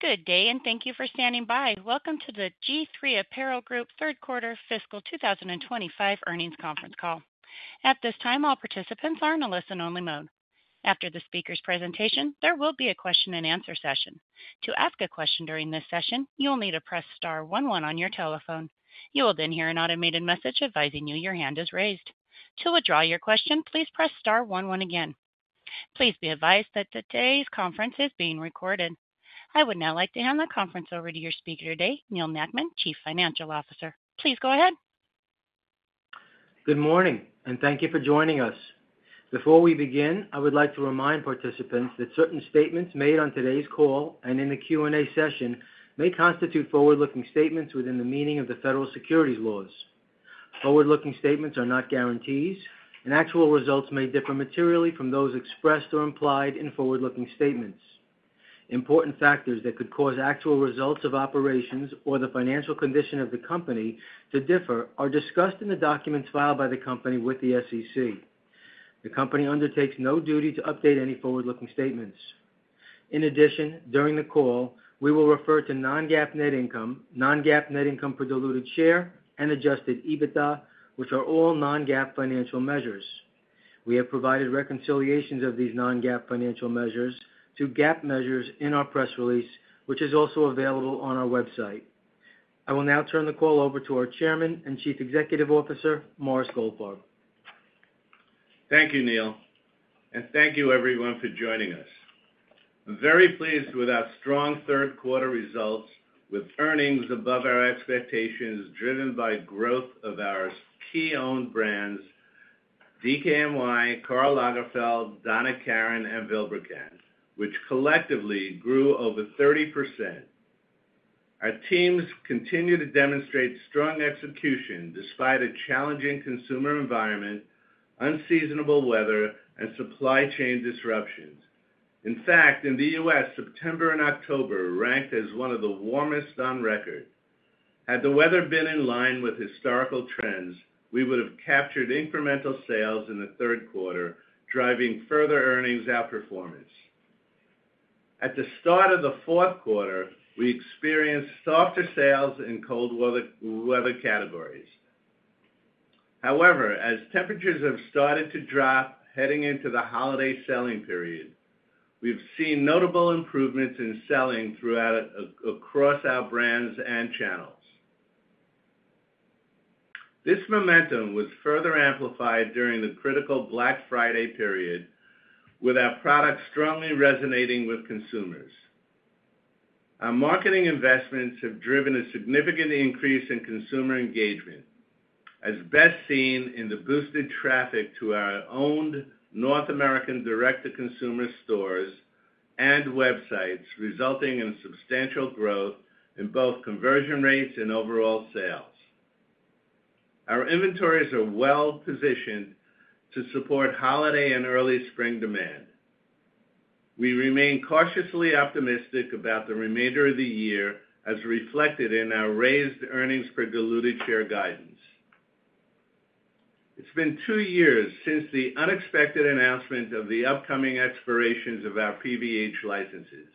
Good day, and thank you for standing by. Welcome to the G-III Apparel Group Third Quarter Fiscal 2025 Earnings conference call. At this time, all participants are in a listen-only mode. After the speaker's presentation, there will be a question-and-answer session. To ask a question during this session, you'll need to press star one one on your telephone. You will then hear an automated message advising you your hand is raised. To withdraw your question, please press star one one again. Please be advised that today's conference is being recorded. I would now like to hand the conference over to your speaker today, Neal Nackman, Chief Financial Officer. Please go ahead. Good morning, and thank you for joining us. Before we begin, I would like to remind participants that certain statements made on today's call and in the Q&A session may constitute forward-looking statements within the meaning of the federal securities laws. Forward-looking statements are not guarantees, and actual results may differ materially from those expressed or implied in forward-looking statements. Important factors that could cause actual results of operations or the financial condition of the company to differ are discussed in the documents filed by the company with the SEC. The company undertakes no duty to update any forward-looking statements. In addition, during the call, we will refer to non-GAAP net income, non-GAAP net income per diluted share, and adjusted EBITDA, which are all non-GAAP financial measures. We have provided reconciliations of these non-GAAP financial measures to GAAP measures in our press release, which is also available on our website. I will now turn the call over to our Chairman and Chief Executive Officer, Morris Goldfarb. Thank you, Neal, and thank you everyone for joining us. I'm very pleased with our strong third-quarter results, with earnings above our expectations driven by growth of our key-owned brands DKNY, Karl Lagerfeld, Donna Karan, and Vilebrequin, which collectively grew over 30%. Our teams continue to demonstrate strong execution despite a challenging consumer environment, unseasonable weather, and supply chain disruptions. In fact, in the U.S., September and October ranked as one of the warmest on record. Had the weather been in line with historical trends, we would have captured incremental sales in the third quarter, driving further earnings outperformance. At the start of the fourth quarter, we experienced softer sales in cold weather categories. However, as temperatures have started to drop heading into the holiday selling period, we've seen notable improvements in selling throughout across our brands and channels. This momentum was further amplified during the critical Black Friday period, with our product strongly resonating with consumers. Our marketing investments have driven a significant increase in consumer engagement, as best seen in the boosted traffic to our owned North American direct-to-consumer stores and websites, resulting in substantial growth in both conversion rates and overall sales. Our inventories are well-positioned to support holiday and early spring demand. We remain cautiously optimistic about the remainder of the year, as reflected in our raised earnings per diluted share guidance. It's been two years since the unexpected announcement of the upcoming expirations of our PVH licenses.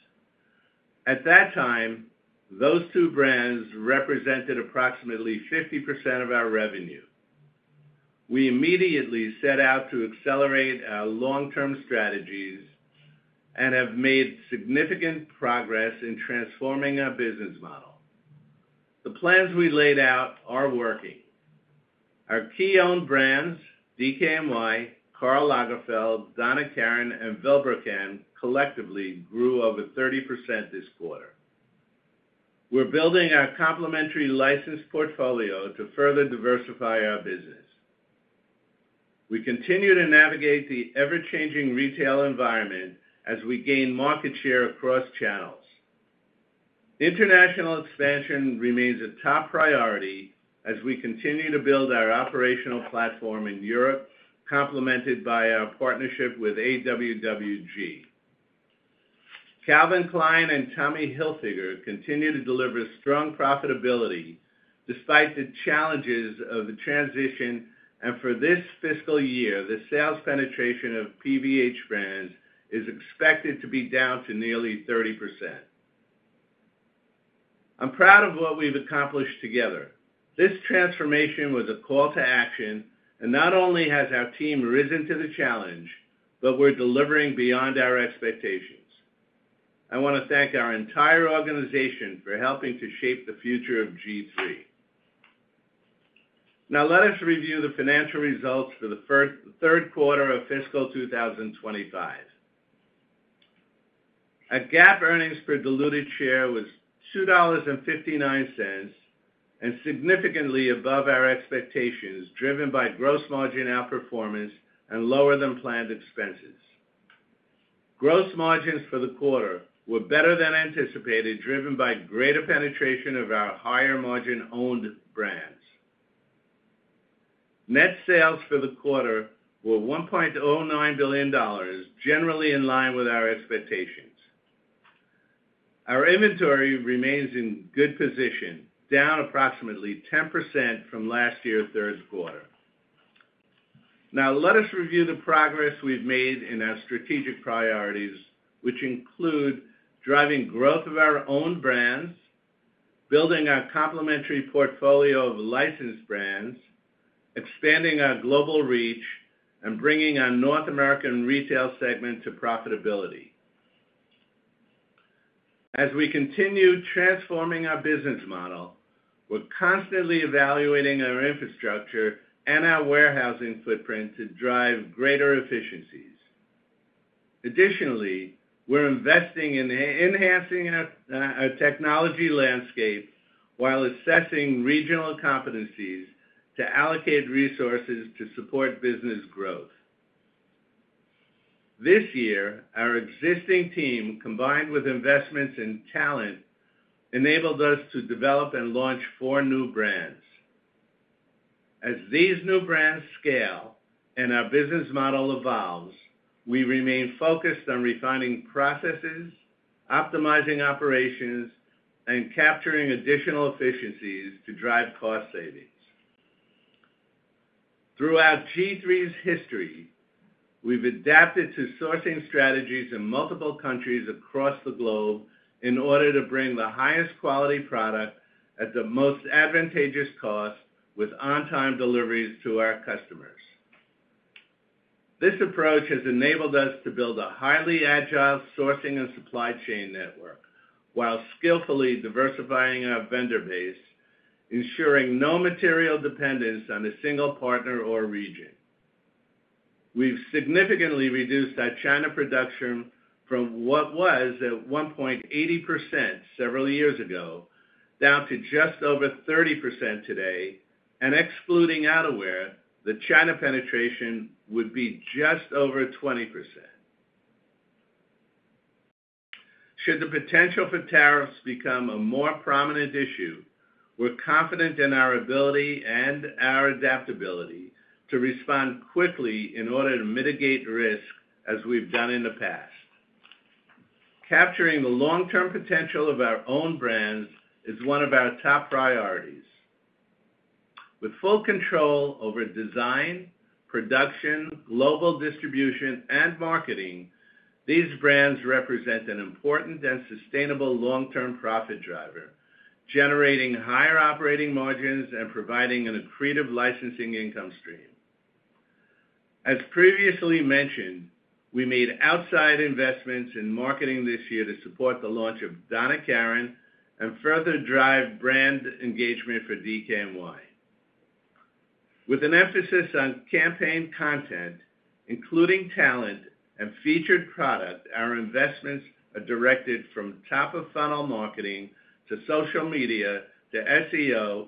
At that time, those two brands represented approximately 50% of our revenue. We immediately set out to accelerate our long-term strategies and have made significant progress in transforming our business model. The plans we laid out are working. Our key-owned brands DKNY, Karl Lagerfeld, Donna Karan, and Vilebrequin collectively grew over 30% this quarter. We're building our complementary license portfolio to further diversify our business. We continue to navigate the ever-changing retail environment as we gain market share across channels. International expansion remains a top priority as we continue to build our operational platform in Europe, complemented by our partnership with AWWG. Calvin Klein and Tommy Hilfiger continue to deliver strong profitability despite the challenges of the transition, and for this fiscal year, the sales penetration of PVH brands is expected to be down to nearly 30%. I'm proud of what we've accomplished together. This transformation was a call to action, and not only has our team risen to the challenge, but we're delivering beyond our expectations. I want to thank our entire organization for helping to shape the future of G-III. Now, let us review the financial results for the third quarter of fiscal 2025. Our GAAP earnings per diluted share was $2.59 and significantly above our expectations, driven by gross margin outperformance and lower-than-planned expenses. Gross margins for the quarter were better than anticipated, driven by greater penetration of our higher-margin owned brands. Net sales for the quarter were $1.09 billion, generally in line with our expectations. Our inventory remains in good position, down approximately 10% from last year's third quarter. Now, let us review the progress we've made in our strategic priorities, which include driving growth of our own brands, building our complementary portfolio of licensed brands, expanding our global reach, and bringing our North American retail segment to profitability. As we continue transforming our business model, we're constantly evaluating our infrastructure and our warehousing footprint to drive greater efficiencies. Additionally, we're investing in enhancing our technology landscape while assessing regional competencies to allocate resources to support business growth. This year, our existing team, combined with investments in talent, enabled us to develop and launch four new brands. As these new brands scale and our business model evolves, we remain focused on refining processes, optimizing operations, and capturing additional efficiencies to drive cost savings. Throughout G-III's history, we've adapted to sourcing strategies in multiple countries across the globe in order to bring the highest quality product at the most advantageous cost, with on-time deliveries to our customers. This approach has enabled us to build a highly agile sourcing and supply chain network while skillfully diversifying our vendor base, ensuring no material dependence on a single partner or region. We've significantly reduced our China production from what was at one point 80% several years ago down to just over 30% today, and excluding outerwear, the China penetration would be just over 20%. Should the potential for tariffs become a more prominent issue, we're confident in our ability and our adaptability to respond quickly in order to mitigate risk, as we've done in the past. Capturing the long-term potential of our own brands is one of our top priorities. With full control over design, production, global distribution, and marketing, these brands represent an important and sustainable long-term profit driver, generating higher operating margins and providing an accretive licensing income stream. As previously mentioned, we made outside investments in marketing this year to support the launch of Donna Karan and further drive brand engagement for DKNY. With an emphasis on campaign content, including talent and featured product, our investments are directed from top-of-funnel marketing to social media to SEO,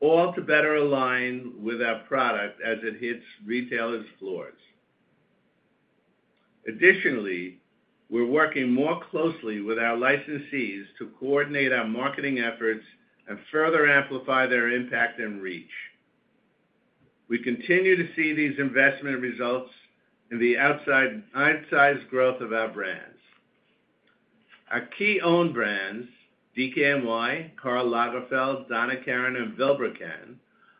all to better align with our product as it hits retailers' floors. Additionally, we're working more closely with our licensees to coordinate our marketing efforts and further amplify their impact and reach. We continue to see these investment results in the outsized growth of our brands. Our key-owned brands DKNY, Karl Lagerfeld, Donna Karan, and Vilebrequin,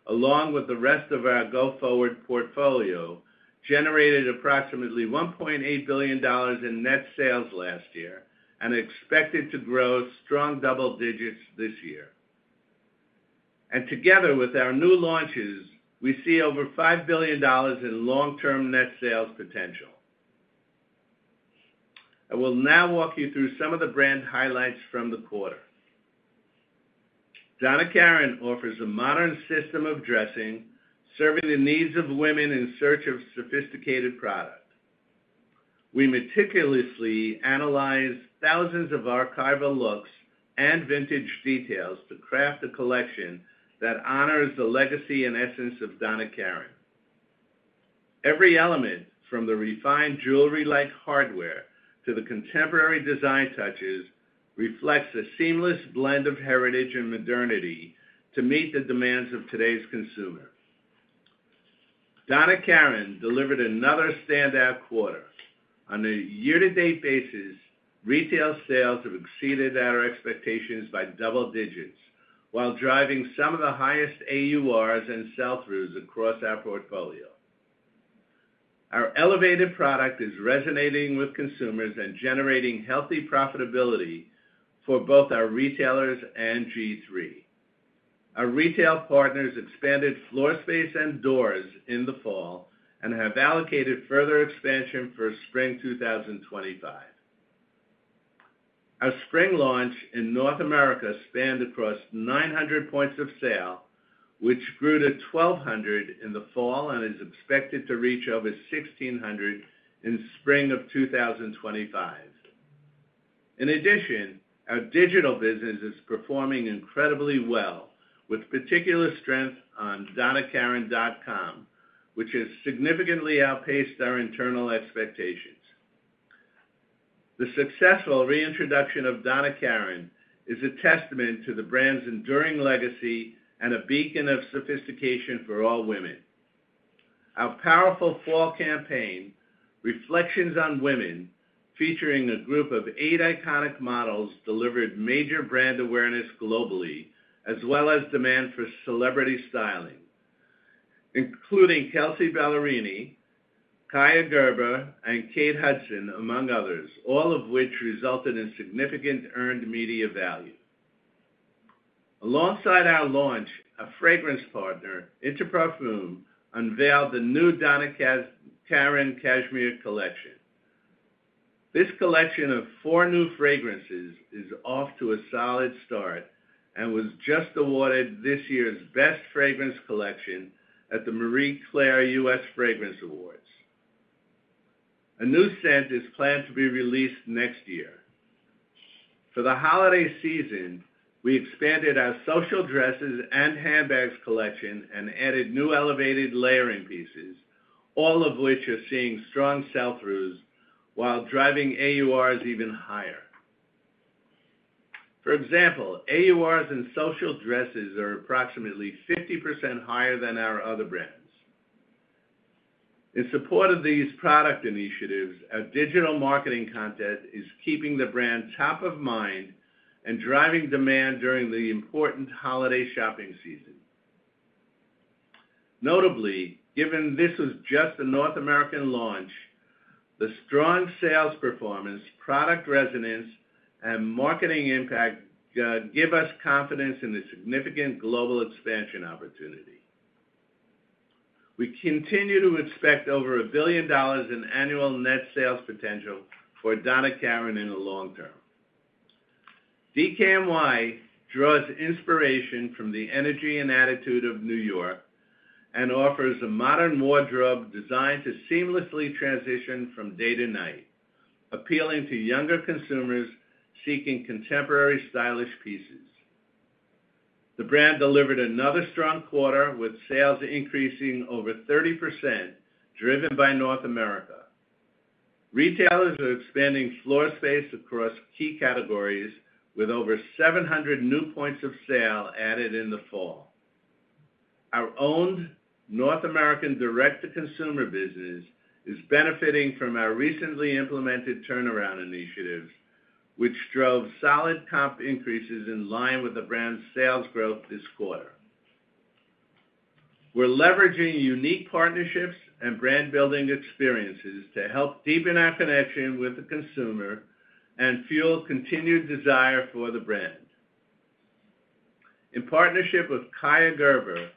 along with the rest of our go-forward portfolio, generated approximately $1.8 billion in net sales last year and are expected to grow strong double-digits this year, and together with our new launches, we see over $5 billion in long-term net sales potential. I will now walk you through some of the brand highlights from the quarter. Donna Karan offers a modern system of dressing serving the needs of women in search of sophisticated product. We meticulously analyze thousands of archival looks and vintage details to craft a collection that honors the legacy and essence of Donna Karan. Every element, from the refined jewelry-like hardware to the contemporary design touches, reflects a seamless blend of heritage and modernity to meet the demands of today's consumer. Donna Karan delivered another standout quarter. On a year-to-date basis, retail sales have exceeded our expectations by double-digits, while driving some of the highest AURs and sell-throughs across our portfolio. Our elevated product is resonating with consumers and generating healthy profitability for both our retailers and G-III. Our retail partners expanded floor space and doors in the Fall and have allocated further expansion for spring 2025. Our spring launch in North America spanned across 900 points of sale, which grew to 1,200 points of sale in the Fall and is expected to reach over 1,600 points of sale in spring of 2025. In addition, our digital business is performing incredibly well, with particular strength on donnakaran.com, which has significantly outpaced our internal expectations. The successful reintroduction of Donna Karan is a testament to the brand's enduring legacy and a beacon of sophistication for all women. Our powerful Fall campaign, Reflections on Women, featuring a group of eight iconic models, delivered major brand awareness globally, as well as demand for celebrity styling, including Kelsea Ballerini, Kaia Gerber, and Kate Hudson, among others, all of which resulted in significant earned media value. Alongside our launch, our fragrance partner, Inter Parfums, unveiled the new Donna Karan Cashmere Collection. This collection of four new fragrances is off to a solid start and was just awarded this year's Best Fragrance Collection at the Marie Claire U.S. Fragrance Awards. A new scent is planned to be released next year. For the holiday season, we expanded our social dresses and handbags collection and added new elevated layering pieces, all of which are seeing strong sell-throughs while driving AURs even higher. For example, AURs in social dresses are approximately 50% higher than our other brands. In support of these product initiatives, our digital marketing content is keeping the brand top of mind and driving demand during the important holiday shopping season. Notably, given this was just a North American launch, the strong sales performance, product resonance, and marketing impact give us confidence in the significant global expansion opportunity. We continue to expect over $1 billion in annual net sales potential for Donna Karan in the long term. DKNY draws inspiration from the energy and attitude of New York and offers a modern wardrobe designed to seamlessly transition from day to night, appealing to younger consumers seeking contemporary stylish pieces. The brand delivered another strong quarter, with sales increasing over 30%, driven by North America. Retailers are expanding floor space across key categories, with over 700 new points of sale added in the Fall. Our owned North American direct-to-consumer business is benefiting from our recently implemented turnaround initiatives, which drove solid comp increases in line with the brand's sales growth this quarter. We're leveraging unique partnerships and brand-building experiences to help deepen our connection with the consumer and fuel continued desire for the brand. In partnership with Kaia Gerber,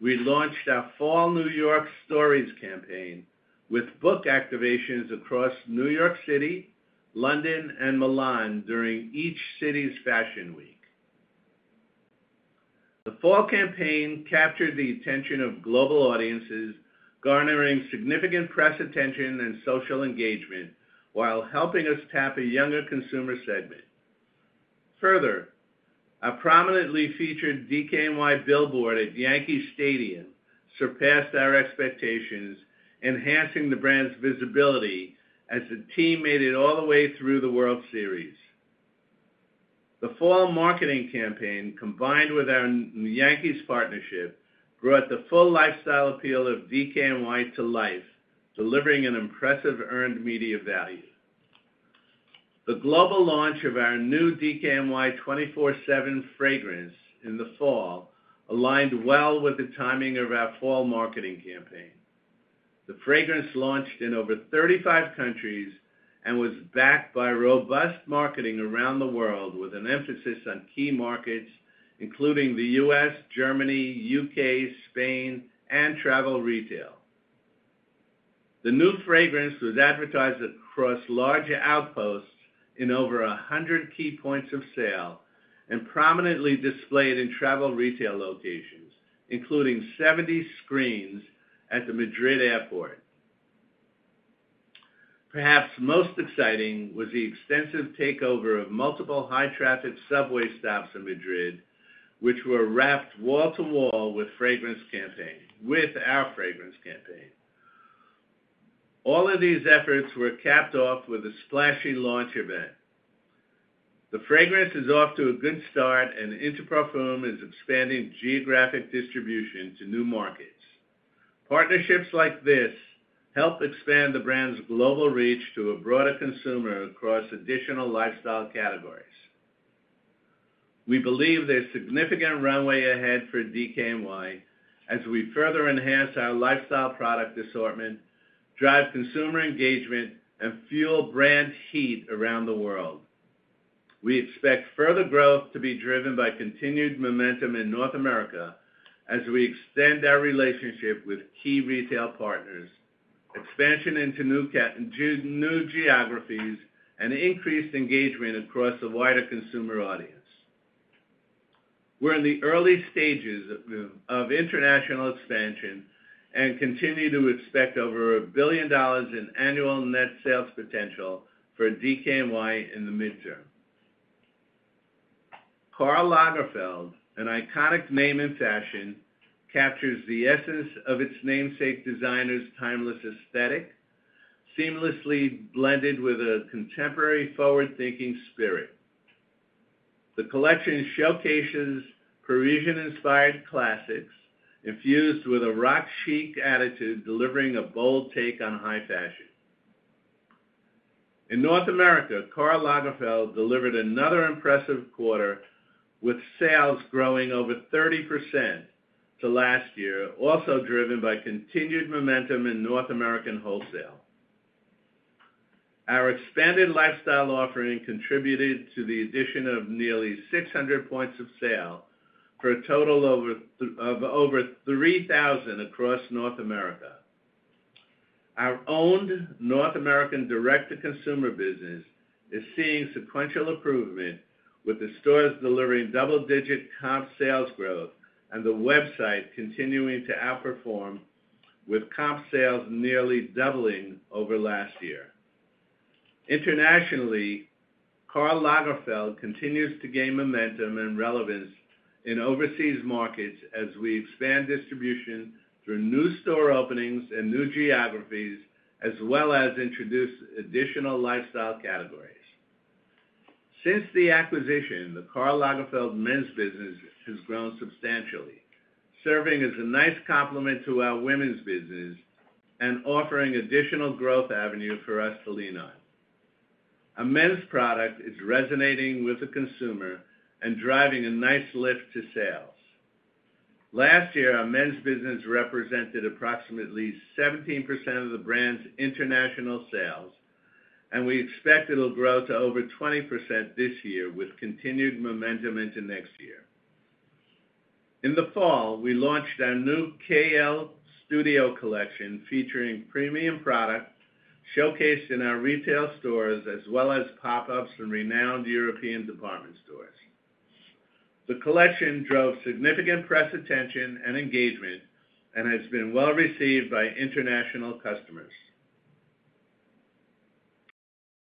we launched our Fall New York Stories campaign, with book activations across New York City, London, and Milan during each city's Fashion Week. The Fall campaign captured the attention of global audiences, garnering significant press attention and social engagement while helping us tap a younger consumer segment. Further, our prominently featured DKNY billboard at Yankee Stadium surpassed our expectations, enhancing the brand's visibility as the team made it all the way through the World Series. The Fall marketing campaign, combined with our Yankees partnership, brought the full lifestyle appeal of DKNY to life, delivering an impressive earned media value. The global launch of our new DKNY 24/7 fragrance in the Fall aligned well with the timing of our Fall marketing campaign. The fragrance launched in over 35 countries and was backed by robust marketing around the world, with an emphasis on key markets, including the U.S., Germany, U.K., Spain, and travel retail. The new fragrance was advertised across large outposts in over 100 key points of sale and prominently displayed in travel retail locations, including 70 screens at the Madrid airport. Perhaps most exciting was the extensive takeover of multiple high-traffic subway stops in Madrid, which were wrapped wall-to-wall with our fragrance campaign. All of these efforts were capped off with a splashy launch event. The fragrance is off to a good start, and Inter Parfums is expanding geographic distribution to new markets. Partnerships like this help expand the brand's global reach to a broader consumer across additional lifestyle categories. We believe there's significant runway ahead for DKNY as we further enhance our lifestyle product assortment, drive consumer engagement, and fuel brand heat around the world. We expect further growth to be driven by continued momentum in North America as we extend our relationship with key retail partners, expansion into new geographies, and increased engagement across a wider consumer audience. We're in the early stages of international expansion and continue to expect over $1 billion in annual net sales potential for DKNY in the midterm. Karl Lagerfeld, an iconic name in fashion, captures the essence of its namesake designer's timeless aesthetic, seamlessly blended with a contemporary forward-thinking spirit. The collection showcases Parisian-inspired classics infused with a rock-chic attitude, delivering a bold take on high fashion. In North America, Karl Lagerfeld delivered another impressive quarter, with sales growing over 30% to last year, also driven by continued momentum in North American wholesale. Our expanded lifestyle offering contributed to the addition of nearly 600 points of sale for a total of over 3,000 points of sale across North America. Our owned North American direct-to-consumer business is seeing sequential improvement, with the stores delivering double-digit comp sales growth and the website continuing to outperform, with comp sales nearly doubling over last year. Internationally, Karl Lagerfeld continues to gain momentum and relevance in overseas markets as we expand distribution through new store openings and new geographies, as well as introduce additional lifestyle categories. Since the acquisition, the Karl Lagerfeld men's business has grown substantially, serving as a nice complement to our women's business and offering additional growth avenues for us to lean on. A men's product is resonating with the consumer and driving a nice lift to sales. Last year, our men's business represented approximately 17% of the brand's international sales, and we expect it will grow to over 20% this year, with continued momentum into next year. In the Fall, we launched our new KL Studio Collection, featuring premium product showcased in our retail stores as well as pop-ups in renowned European department stores. The collection drove significant press attention and engagement and has been well received by international customers.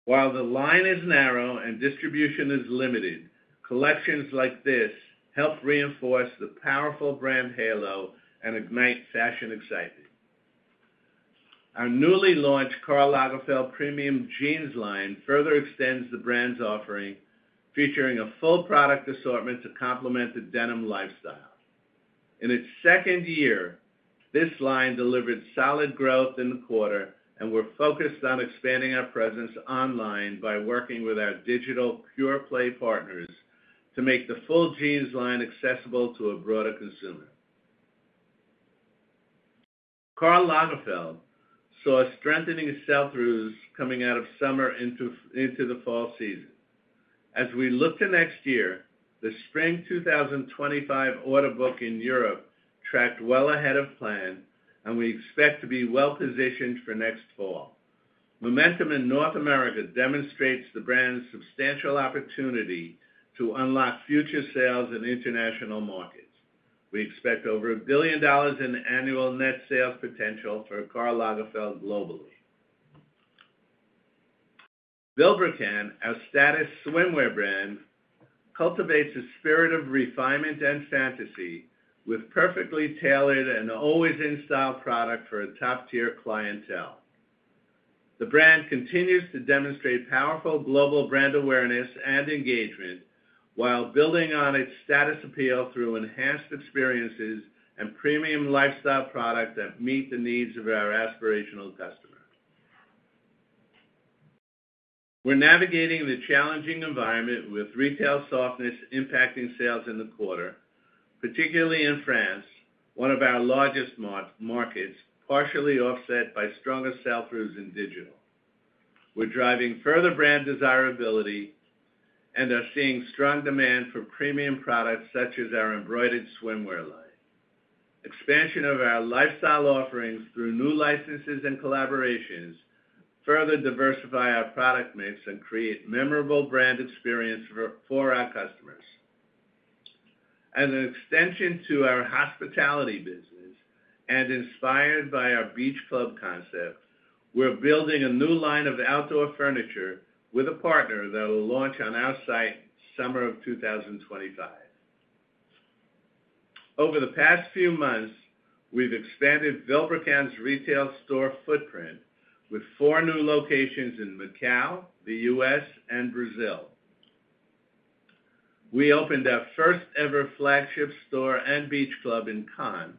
While the line is narrow and distribution is limited, collections like this help reinforce the powerful brand halo and ignite fashion excitement. Our newly launched Karl Lagerfeld premium jeans line further extends the brand's offering, featuring a full product assortment to complement the denim lifestyle. In its second year, this line delivered solid growth in the quarter, and we're focused on expanding our presence online by working with our digital pure play partners to make the full jeans line accessible to a broader consumer. Karl Lagerfeld saw strengthening sell-throughs coming out of summer into the Fall season. As we look to next year, the Spring 2025 order book in Europe tracked well ahead of plan, and we expect to be well positioned for next Fall. Momentum in North America demonstrates the brand's substantial opportunity to unlock future sales in international markets. We expect over $1 billion in annual net sales potential for Karl Lagerfeld globally. Vilebrequin, our status swimwear brand, cultivates a spirit of refinement and fantasy with perfectly tailored and always-in-style products for a top-tier clientele. The brand continues to demonstrate powerful global brand awareness and engagement while building on its status appeal through enhanced experiences and premium lifestyle products that meet the needs of our aspirational customers. We're navigating the challenging environment with retail softness impacting sales in the quarter, particularly in France, one of our largest markets, partially offset by stronger sell-throughs in digital. We're driving further brand desirability and are seeing strong demand for premium products such as our embroidered swimwear line. Expansion of our lifestyle offerings through new licenses and collaborations further diversifies our product mix and creates a memorable brand experience for our customers. As an extension to our hospitality business and inspired by our beach club concept, we're building a new line of outdoor furniture with a partner that will launch on our site summer of 2025. Over the past few months, we've expanded Vilebrequin's retail store footprint with four new locations in Macau, the U.S., and Brazil. We opened our first-ever flagship store and beach club in Cannes,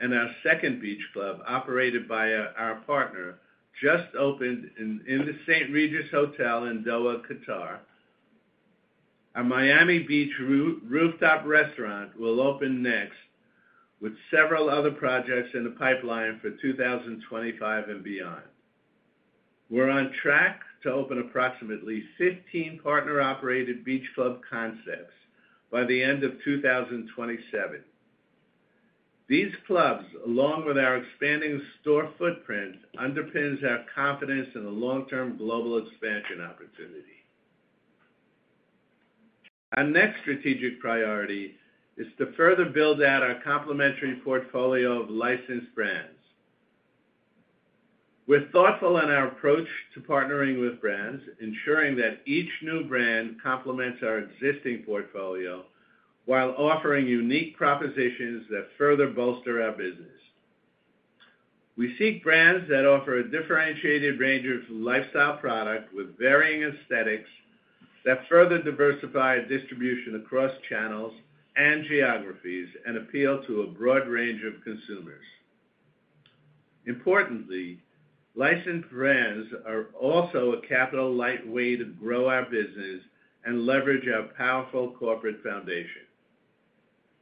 and our second beach club, operated by our partner, just opened in the St. Regis Hotel in Doha, Qatar. Our Miami Beach rooftop restaurant will open next, with several other projects in the pipeline for 2025 and beyond. We're on track to open approximately 15 partner-operated beach club concepts by the end of 2027. These clubs, along with our expanding store footprint, underpin our confidence in a long-term global expansion opportunity. Our next strategic priority is to further build out our complementary portfolio of licensed brands. We're thoughtful in our approach to partnering with brands, ensuring that each new brand complements our existing portfolio while offering unique propositions that further bolster our business. We seek brands that offer a differentiated range of lifestyle products with varying aesthetics that further diversify distribution across channels and geographies and appeal to a broad range of consumers. Importantly, licensed brands are also a capital lightweight to grow our business and leverage our powerful corporate foundation.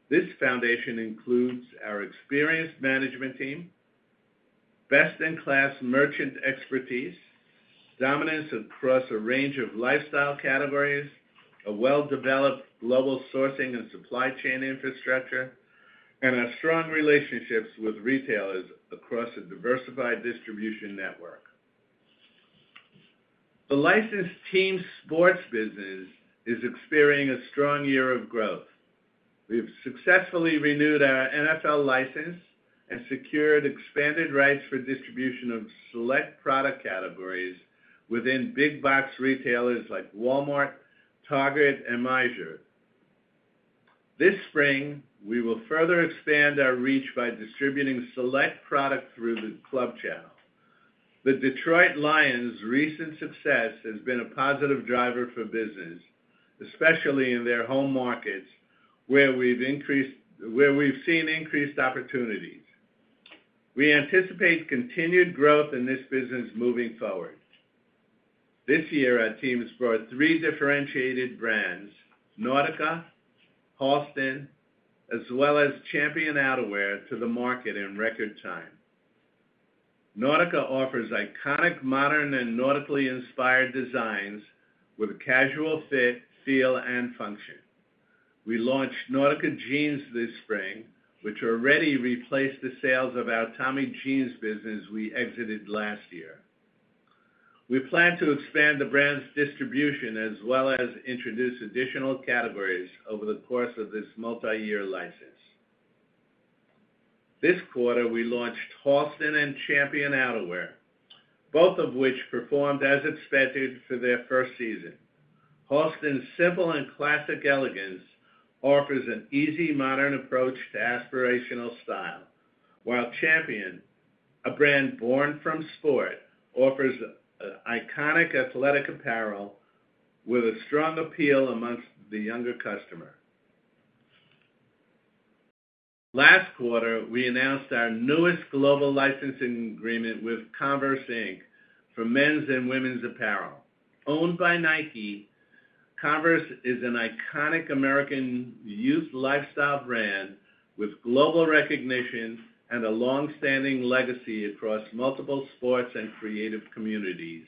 This foundation includes our experienced management team, best-in-class merchant expertise, dominance across a range of lifestyle categories, a well-developed global sourcing and supply chain infrastructure, and our strong relationships with retailers across a diversified distribution network. The licensed team sports business is experiencing a strong year of growth. We've successfully renewed our NFL license and secured expanded rights for distribution of select product categories within big-box retailers like Walmart, Target, and Meijer. This spring, we will further expand our reach by distributing select products through the club channel. The Detroit Lions' recent success has been a positive driver for business, especially in their home markets, where we've seen increased opportunities. We anticipate continued growth in this business moving forward. This year, our team has brought three differentiated brands: Nautica, Halston, as well as Champion Outerwear to the market in record time. Nautica offers iconic modern and nautically inspired designs with a casual feel and function. We launched Nautica Jeans this spring, which already replaced the sales of our Tommy Jeans business we exited last year. We plan to expand the brand's distribution as well as introduce additional categories over the course of this multi-year license. This quarter, we launched Halston and Champion Outerwear, both of which performed as expected for their first season. Halston's simple and classic elegance offers an easy, modern approach to aspirational style, while Champion, a brand born from sport, offers iconic athletic apparel with a strong appeal amongst the younger customer. Last quarter, we announced our newest global licensing agreement with Converse Inc. for men's and women's apparel. Owned by Nike, Converse is an iconic American youth lifestyle brand with global recognition and a long-standing legacy across multiple sports and creative communities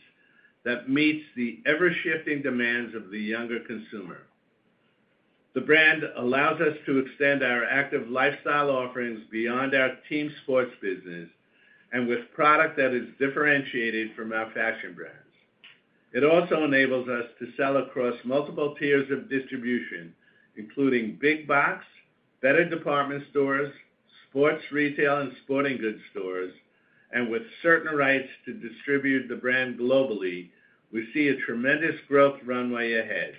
that meets the ever-shifting demands of the younger consumer. The brand allows us to extend our active lifestyle offerings beyond our team sports business and with product that is differentiated from our fashion brands. It also enables us to sell across multiple tiers of distribution, including big-box, better department stores, sports retail, and sporting goods stores, and with certain rights to distribute the brand globally, we see a tremendous growth runway ahead.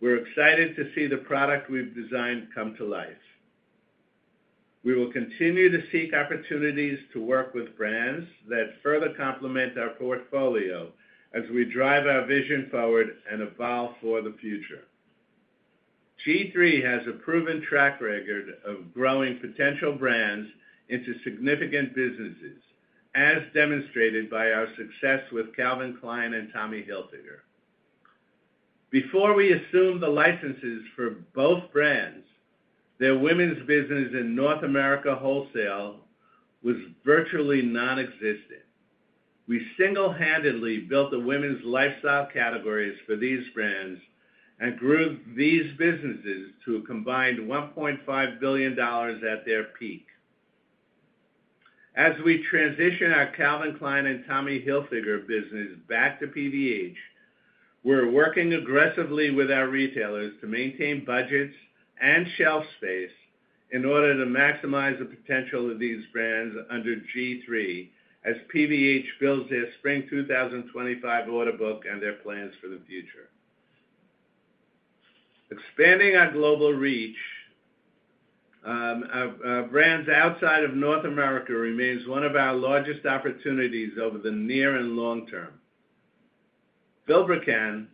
We're excited to see the product we've designed come to life. We will continue to seek opportunities to work with brands that further complement our portfolio as we drive our vision forward and evolve for the future. G-III has a proven track record of growing potential brands into significant businesses, as demonstrated by our success with Calvin Klein and Tommy Hilfiger. Before we assumed the licenses for both brands, their women's business in North America wholesale was virtually nonexistent. We single-handedly built the women's lifestyle categories for these brands and grew these businesses to a combined $1.5 billion at their peak. As we transition our Calvin Klein and Tommy Hilfiger business back to PVH, we're working aggressively with our retailers to maintain budgets and shelf space in order to maximize the potential of these brands under G-III as PVH builds their Spring 2025 order book and their plans for the future. Expanding our global reach, our brands outside of North America remains one of our largest opportunities over the near and long term. Vilebrequin,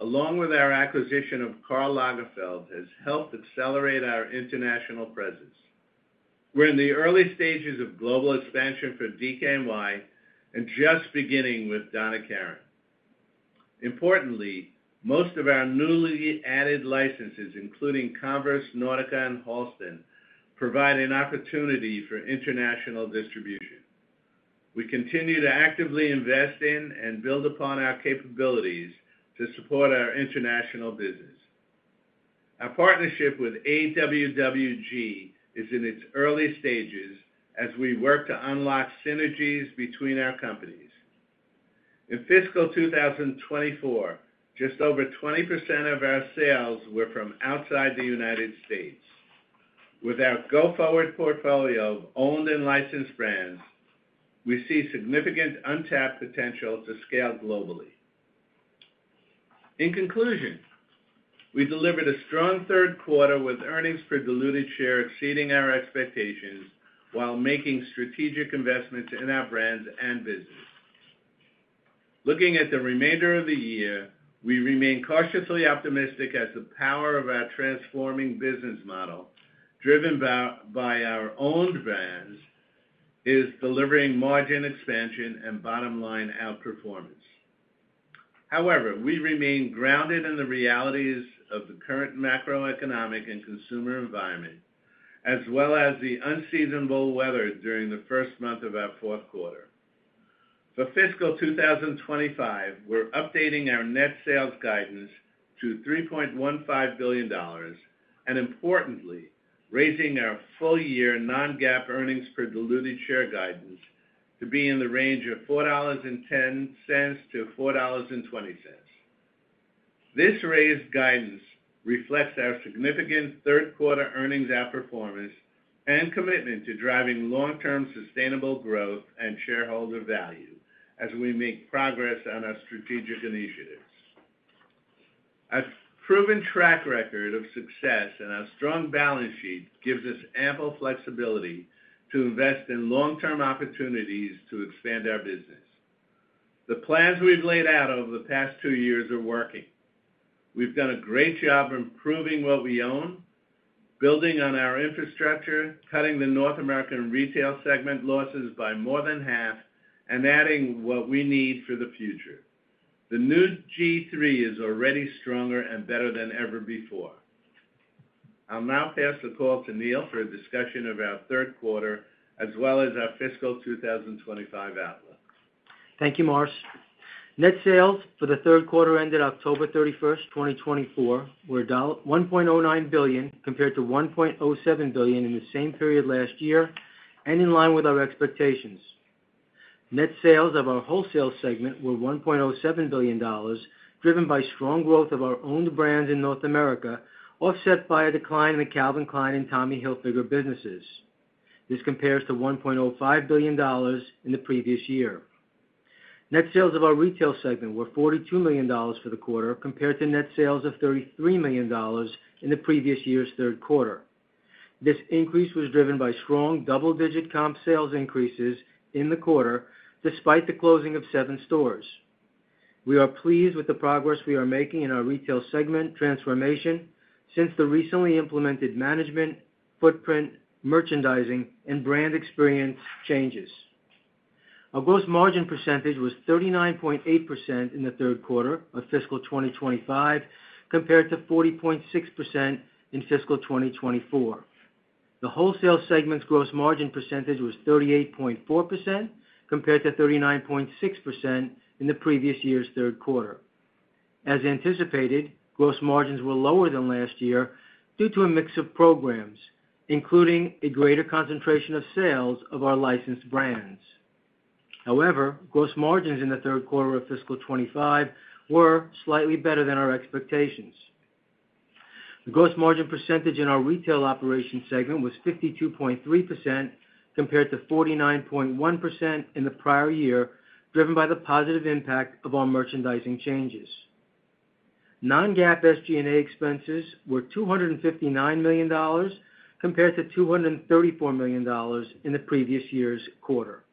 along with our acquisition of Karl Lagerfeld, has helped accelerate our international presence. We're in the early stages of global expansion for DKNY and just beginning with Donna Karan. Importantly, most of our newly added licenses, including Converse, Nautica, and Halston, provide an opportunity for international distribution. We continue to actively invest in and build upon our capabilities to support our international business. Our partnership with AWWG is in its early stages as we work to unlock synergies between our companies. In fiscal 2024, just over 20% of our sales were from outside the United States. With our go-forward portfolio of owned and licensed brands, we see significant untapped potential to scale globally. In conclusion, we delivered a strong third quarter with earnings per diluted share exceeding our expectations while making strategic investments in our brands and business. Looking at the remainder of the year, we remain cautiously optimistic as the power of our transforming business model, driven by our owned brands, is delivering margin expansion and bottom-line outperformance. However, we remain grounded in the realities of the current macroeconomic and consumer environment, as well as the unseasonable weather during the first month of our fourth quarter. For fiscal 2025, we're updating our net sales guidance to $3.15 billion and, importantly, raising our full-year non-GAAP earnings per diluted share guidance to be in the range of $4.10-$4.20. This raised guidance reflects our significant third-quarter earnings outperformance and commitment to driving long-term sustainable growth and shareholder value as we make progress on our strategic initiatives. Our proven track record of success and our strong balance sheet gives us ample flexibility to invest in long-term opportunities to expand our business. The plans we've laid out over the past two years are working. We've done a great job improving what we own, building on our infrastructure, cutting the North American retail segment losses by more than half, and adding what we need for the future. The new G-III is already stronger and better than ever before. I'll now pass the call to Neal for a discussion of our third quarter as well as our fiscal 2025 outlook. Thank you, Morris. Net sales for the third quarter ended October 31st, 2024, were $1.09 billion compared to $1.07 billion in the same period last year and in line with our expectations. Net sales of our wholesale segment were $1.07 billion, driven by strong growth of our owned brands in North America, offset by a decline in the Calvin Klein and Tommy Hilfiger businesses. This compares to $1.05 billion in the previous year. Net sales of our retail segment were $42 million for the quarter compared to net sales of $33 million in the previous year's third quarter. This increase was driven by strong double-digit comp sales increases in the quarter despite the closing of seven stores. We are pleased with the progress we are making in our retail segment transformation since the recently implemented management, footprint, merchandising, and brand experience changes. Our gross margin percentage was 39.8% in the third quarter of fiscal 2025 compared to 40.6% in fiscal 2024. The wholesale segment's gross margin percentage was 38.4% compared to 39.6% in the previous year's third quarter. As anticipated, gross margins were lower than last year due to a mix of programs, including a greater concentration of sales of our licensed brands. However, gross margins in the third quarter of fiscal 2025 were slightly better than our expectations. The gross margin percentage in our retail operations segment was 52.3% compared to 49.1% in the prior year, driven by the positive impact of our merchandising changes. Non-GAAP SG&A expenses were $259 million compared to $234 million in the previous year's quarter.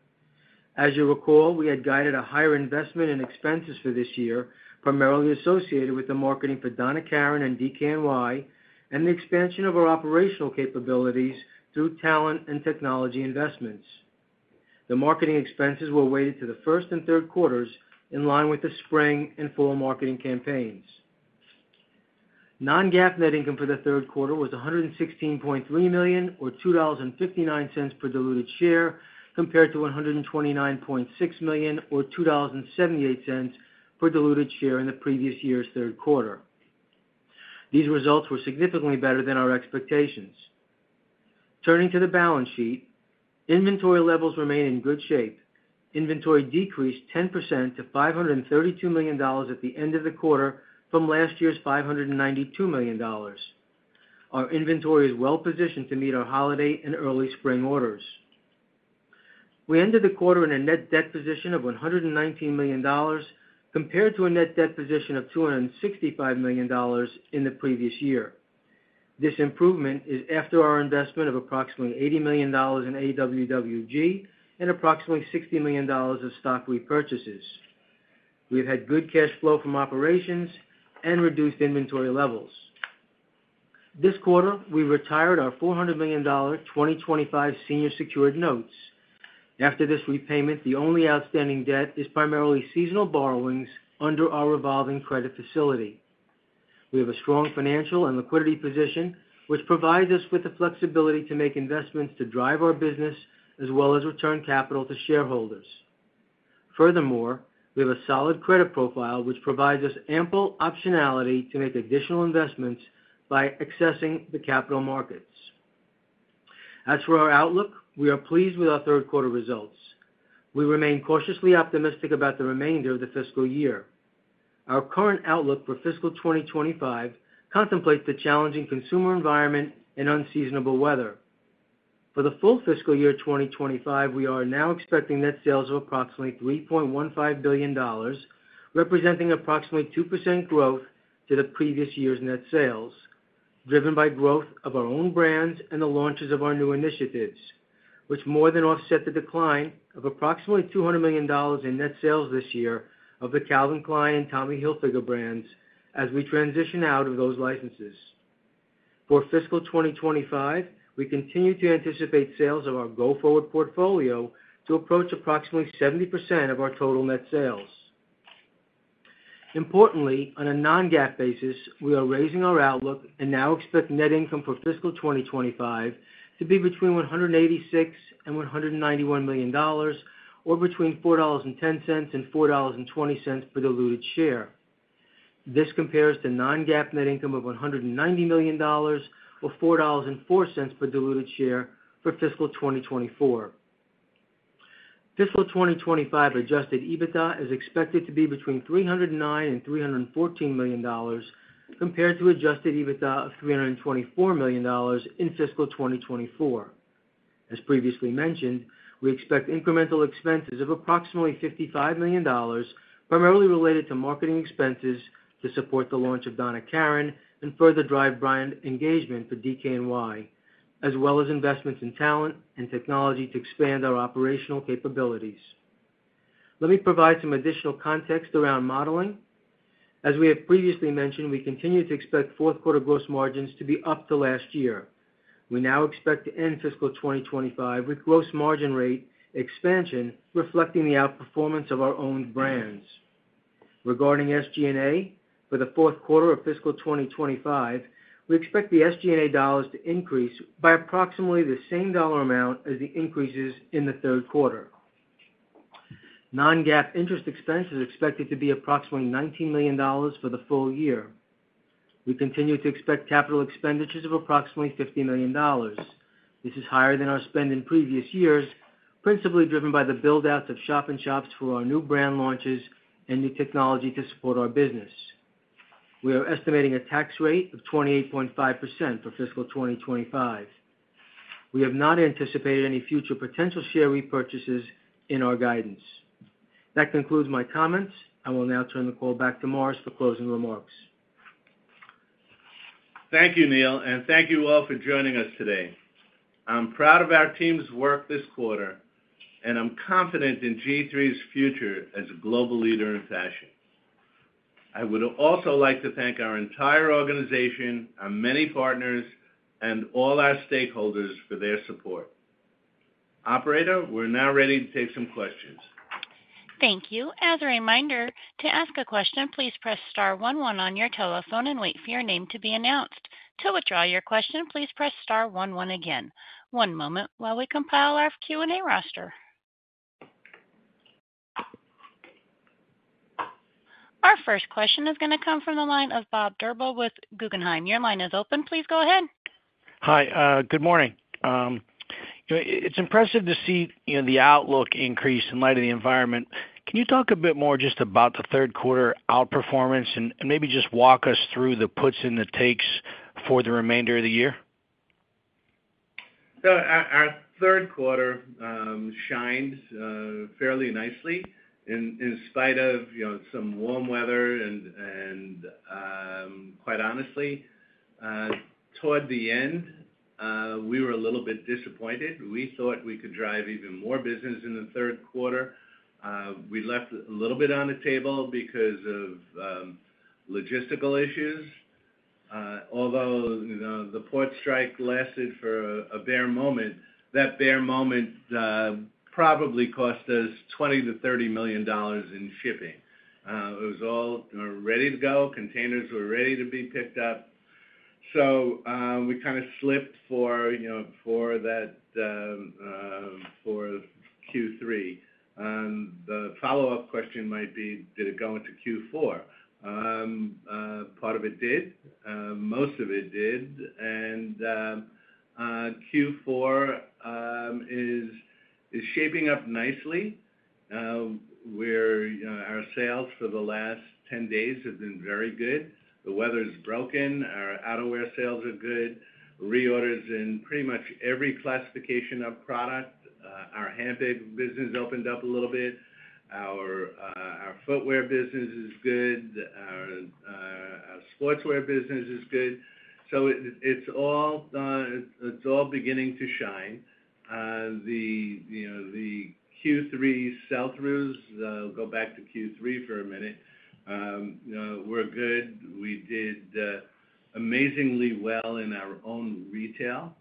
As you recall, we had guided a higher investment in expenses for this year, primarily associated with the marketing for Donna Karan and DKNY and the expansion of our operational capabilities through talent and technology investments. The marketing expenses were weighted to the first and third quarters in line with the spring and Fall marketing campaigns. Non-GAAP net income for the third quarter was $116.3 million, or $2.59 per diluted share, compared to $129.6 million, or $2.78 per diluted share in the previous year's third quarter. These results were significantly better than our expectations. Turning to the balance sheet, inventory levels remain in good shape. Inventory decreased 10% to $532 million at the end of the quarter from last year's $592 million. Our inventory is well-positioned to meet our holiday and early spring orders. We ended the quarter in a net debt position of $119 million compared to a net debt position of $265 million in the previous year. This improvement is after our investment of approximately $80 million in AWWG and approximately $60 million of stock repurchases. We've had good cash flow from operations and reduced inventory levels. This quarter, we retired our $400 million 2025 senior secured notes. After this repayment, the only outstanding debt is primarily seasonal borrowings under our revolving credit facility. We have a strong financial and liquidity position, which provides us with the flexibility to make investments to drive our business as well as return capital to shareholders. Furthermore, we have a solid credit profile, which provides us ample optionality to make additional investments by accessing the capital markets. As for our outlook, we are pleased with our third quarter results. We remain cautiously optimistic about the remainder of the fiscal year. Our current outlook for fiscal 2025 contemplates the challenging consumer environment and unseasonable weather. For the full fiscal year 2025, we are now expecting net sales of approximately $3.15 billion, representing approximately 2% growth to the previous year's net sales, driven by growth of our own brands and the launches of our new initiatives, which more than offset the decline of approximately $200 million in net sales this year of the Calvin Klein and Tommy Hilfiger brands as we transition out of those licenses. For fiscal 2025, we continue to anticipate sales of our go-forward portfolio to approach approximately 70% of our total net sales. Importantly, on a non-GAAP basis, we are raising our outlook and now expect net income for fiscal 2025 to be between $186 million and $191 million, or between $4.10 and $4.20 per diluted share. This compares to non-GAAP net income of $190 million or $4.04 per diluted share for fiscal 2024. Fiscal 2025 adjusted EBITDA is expected to be between $309 and $314 million compared to adjusted EBITDA of $324 million in fiscal 2024. As previously mentioned, we expect incremental expenses of approximately $55 million, primarily related to marketing expenses to support the launch of Donna Karan and further drive brand engagement for DKNY, as well as investments in talent and technology to expand our operational capabilities. Let me provide some additional context around modeling. As we have previously mentioned, we continue to expect fourth quarter gross margins to be up to last year. We now expect to end fiscal 2025 with gross margin rate expansion reflecting the outperformance of our owned brands. Regarding SG&A, for the fourth quarter of fiscal 2025, we expect the SG&A dollars to increase by approximately the same dollar amount as the increases in the third quarter. Non-GAAP interest expense is expected to be approximately $19 million for the full year. We continue to expect capital expenditures of approximately $50 million. This is higher than our spend in previous years, principally driven by the build-outs of shop-in-shops for our new brand launches and new technology to support our business. We are estimating a tax rate of 28.5% for fiscal 2025. We have not anticipated any future potential share repurchases in our guidance. That concludes my comments. I will now turn the call back to Morris for closing remarks. Thank you, Neal, and thank you all for joining us today. I'm proud of our team's work this quarter, and I'm confident in G-III's future as a global leader in fashion. I would also like to thank our entire organization, our many partners, and all our stakeholders for their support. Operator, we're now ready to take some questions. Thank you. As a reminder, to ask a question, please press star one one on your telephone and wait for your name to be announced. To withdraw your question, please press star one one again. One moment while we compile our Q&A roster. Our first question is going to come from the line of Bob Drbul with Guggenheim. Your line is open. Please go ahead. Hi. Good morning. It's impressive to see the outlook increase in light of the environment. Can you talk a bit more just about the third quarter outperformance and maybe just walk us through the puts and the takes for the remainder of the year? Our third quarter shined fairly nicely in spite of some warm weather. And quite honestly, toward the end, we were a little bit disappointed. We thought we could drive even more business in the third quarter. We left a little bit on the table because of logistical issues. Although the port strike lasted for a bare moment, that bare moment probably cost us $20 million-$30 million in shipping. It was all ready to go. Containers were ready to be picked up. So we kind of slipped for that for Q3. The follow-up question might be, did it go into Q4? Part of it did. Most of it did. And Q4 is shaping up nicely. Our sales for the last 10 days have been very good. The weather's broken. Our outerwear sales are good. Reorders in pretty much every classification of product. Our handbag business opened up a little bit. Our footwear business is good. Our sportswear business is good, so it's all beginning to shine. The Q3 sell-throughs, I'll go back to Q3 for a minute, were good. We did amazingly well in our own retail.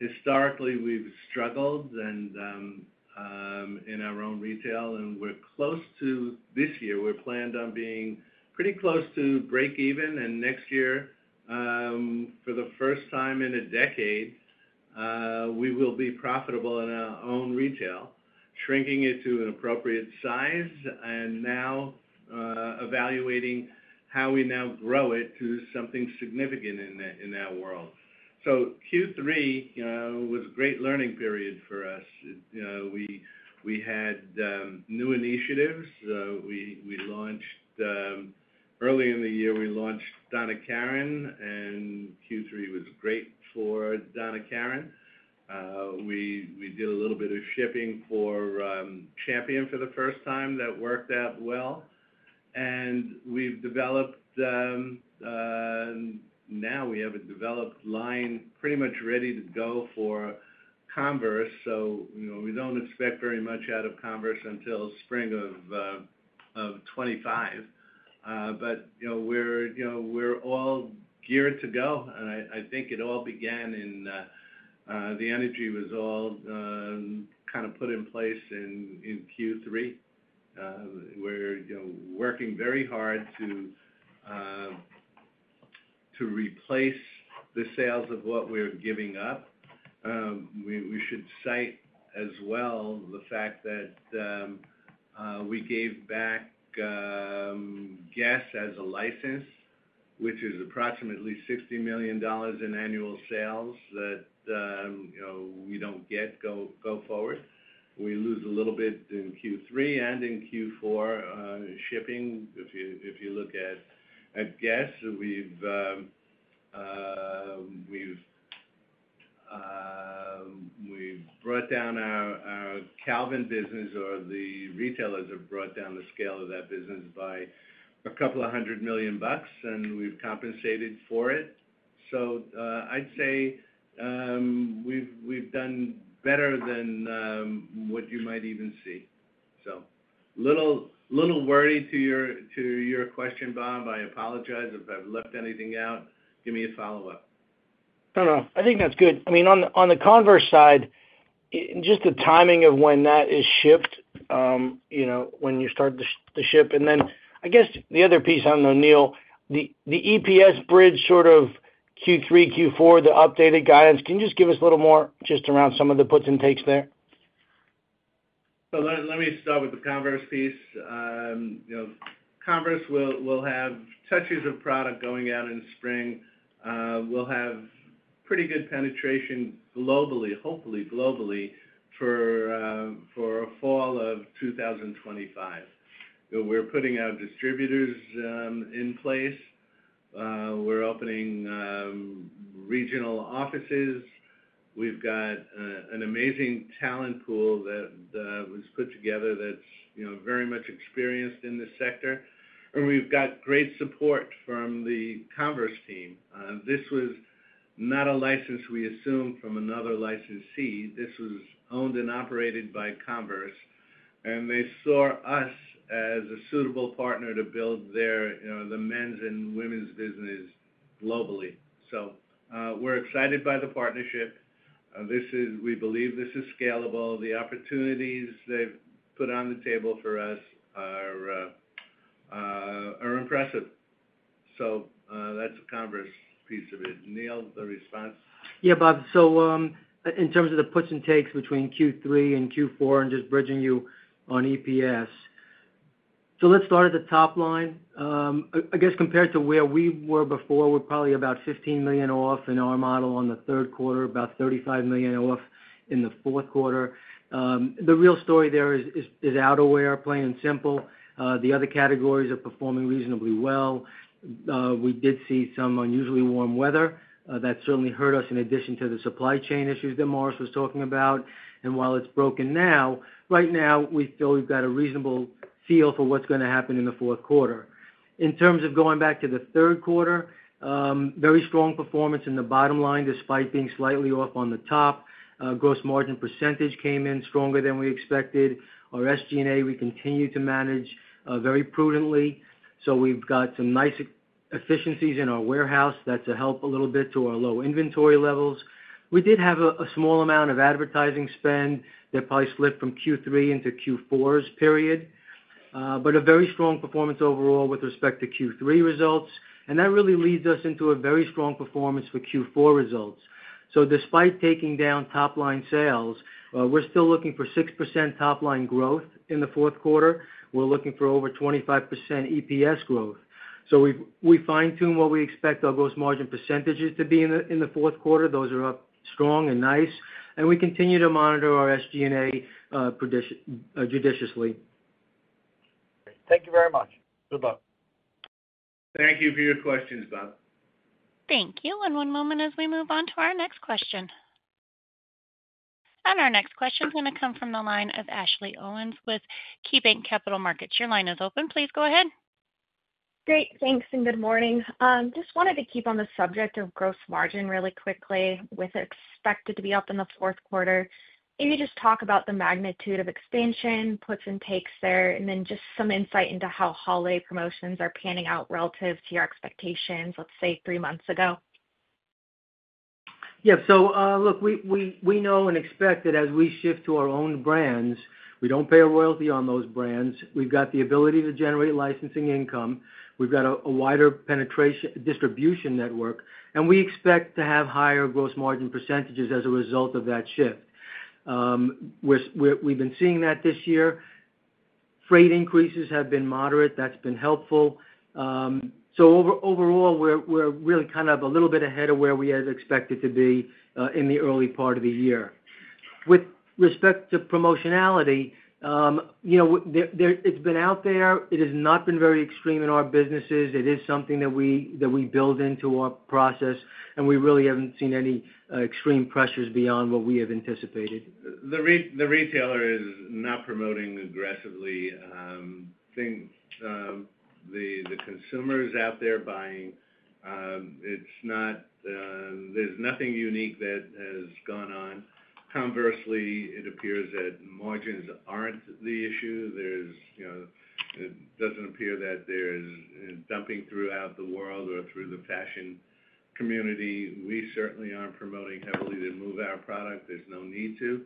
Historically, we've struggled in our own retail, and this year, we're planned on being pretty close to breakeven, and next year, for the first time in a decade, we will be profitable in our own retail, shrinking it to an appropriate size and now evaluating how we now grow it to something significant in that world, so Q3 was a great learning period for us. We had new initiatives. Early in the year, we launched Donna Karan, and Q3 was great for Donna Karan. We did a little bit of shipping for Champion for the first time. That worked out well, and now we have a developed line pretty much ready to go for Converse, so we don't expect very much out of Converse until spring of 2025, but we're all geared to go, and I think it all began, the energy was all kind of put in place in Q3. We're working very hard to replace the sales of what we're giving up. We should cite as well the fact that we gave back GUESS as a license, which is approximately $60 million in annual sales that we don't get going forward. We lose a little bit in Q3 and in Q4 shipping. If you look at GUESS, we've brought down our Calvin business, or the retailers have brought down the scale of that business by $200 million, and we've compensated for it. So I'd say we've done better than what you might even see. So a little wordy to your question, Bob. I apologize if I've left anything out. Give me a follow-up. No, no. I think that's good. I mean, on the Converse side, just the timing of when that is shipped, when you start to ship. And then I guess the other piece I don't know, Neal, the EPS bridge sort of Q3, Q4, the updated guidance. Can you just give us a little more just around some of the puts and takes there? So let me start with the Converse piece. Converse will have touches of product going out in spring. We'll have pretty good penetration globally, hopefully globally, for Fall of 2025. We're putting our distributors in place. We're opening regional offices. We've got an amazing talent pool that was put together that's very much experienced in this sector, and we've got great support from the Converse team. This was not a license we assumed from another licensee. This was owned and operated by Converse, and they saw us as a suitable partner to build the men's and women's business globally. We're excited by the partnership. We believe this is scalable. The opportunities they've put on the table for us are impressive. That's the Converse piece of it. Neal, the response? Yeah, Bob. In terms of the puts and takes between Q3 and Q4 and just bridging you on EPS, let's start at the top line. I guess compared to where we were before, we're probably about $15 million off in our model on the third quarter, about $35 million off in the fourth quarter. The real story there is outerwear, plain and simple. The other categories are performing reasonably well. We did see some unusually warm weather. That certainly hurt us in addition to the supply chain issues that Morris was talking about. And while it's broken now, right now, we feel we've got a reasonable feel for what's going to happen in the fourth quarter. In terms of going back to the third quarter, very strong performance in the bottom line despite being slightly off on the top. Gross margin percentage came in stronger than we expected. Our SG&A, we continue to manage very prudently. So we've got some nice efficiencies in our warehouse. That's helped a little bit to our low inventory levels. We did have a small amount of advertising spend that probably slipped from Q3 into Q4 period, but a very strong performance overall with respect to Q3 results, and that really leads us into a very strong performance for Q4 results. Despite taking down top-line sales, we're still looking for 6% top-line growth in the fourth quarter. We're looking for over 25% EPS growth. We fine-tune what we expect our gross margin percentages to be in the fourth quarter. Those are up strong and nice. We continue to monitor our SG&A judiciously. Thank you very much. Good luck. Thank you for your questions, Bob. Thank you, and one moment as we move on to our next question. Our next question is going to come from the line of Ashley Owens with KeyBanc Capital Markets. Your line is open. Please go ahead. Great. Thanks and good morning. Just wanted to keep on the subject of gross margin really quickly with expected to be up in the fourth quarter. Maybe just talk about the magnitude of expansion, puts and takes there, and then just some insight into how holiday promotions are panning out relative to your expectations, let's say, three months ago. Yeah. So look, we know and expect that as we shift to our own brands, we don't pay a royalty on those brands. We've got the ability to generate licensing income. We've got a wider distribution network. And we expect to have higher gross margin percentages as a result of that shift. We've been seeing that this year. Freight increases have been moderate. That's been helpful. So overall, we're really kind of a little bit ahead of where we had expected to be in the early part of the year. With respect to promotionality, it's been out there. It has not been very extreme in our businesses. It is something that we build into our process. And we really haven't seen any extreme pressures beyond what we have anticipated. The retailer is not promoting aggressively. I think the consumer is out there buying. There's nothing unique that has gone on. Conversely, it appears that margins aren't the issue. It doesn't appear that there's dumping throughout the world or through the fashion community. We certainly aren't promoting heavily to move our product. There's no need to.